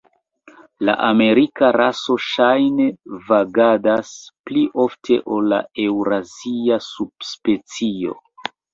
La amerika raso ŝajne vagadas pli ofte ol la eŭrazia subspecio.